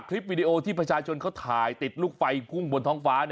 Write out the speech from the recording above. วิดีโอที่ประชาชนเขาถ่ายติดลูกไฟพุ่งบนท้องฟ้า